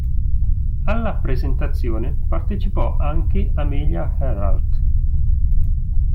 Alla presentazione partecipò anche Amelia Earhart.